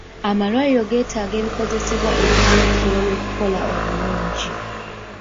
Amalwaliro getaaga ebikozesebwa ebimala okusobola okukola obulungi.